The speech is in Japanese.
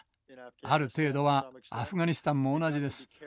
ある程度はアフガニスタンも同じです。